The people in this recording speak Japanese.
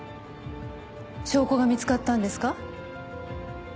証拠が見つかったんですか？